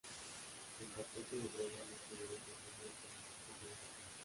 El capote de brega no se debe confundir con el capote de paseo.